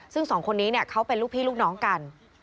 ซึ่งสองคนนี้เขาเป็นลูกพี่ลูกน้องกัน